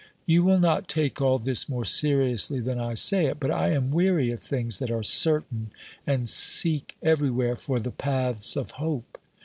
You will not take all this more seriously than I say it. But I am weary of things that are certain, and seek everywhere for the paths of hope.